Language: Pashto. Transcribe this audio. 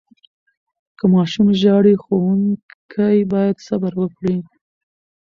که ماشوم ژاړي، ښوونکي باید صبر وکړي.